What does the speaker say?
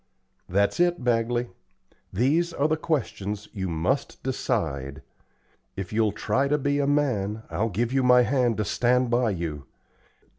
"That's it, Bagley. These are the questions you must decide. If you'll try to be a man, I'll give you my hand to stand by you.